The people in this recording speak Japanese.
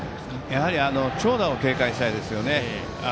やはり長打を警戒したいですよね。